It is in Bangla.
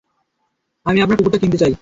আমি আপনার কুকুরটা কিনতে চাই।